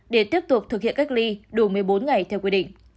để tiếp tục thực hiện cách ly đủ một mươi bốn ngày theo quy định